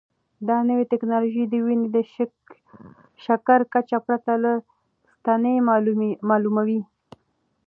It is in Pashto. دا نوې ټیکنالوژي د وینې د شکر کچه پرته له ستنې معلوموي.